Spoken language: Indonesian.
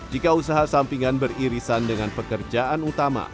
jika usaha sampingan beririsan dengan pekerjaan utama